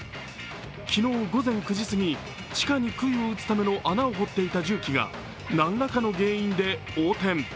昨日午前９時過ぎ地下にくいを打つための穴を掘っていた重機が何らかの原因で横転。